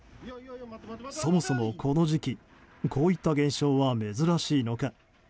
そもそもこの時期こういった現象は珍しいのか？